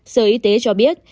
sở y tế cho biết